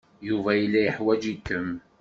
Yuba yella yeḥwaj-ikem.